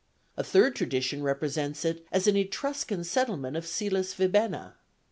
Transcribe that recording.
A third tradition represents it as an Etruscan settlement of Cæles Vibenna.